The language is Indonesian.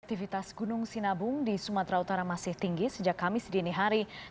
aktivitas gunung sinabung di sumatera utara masih tinggi sejak kamis dini hari